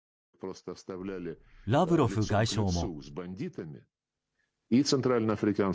ラブロフ外相も。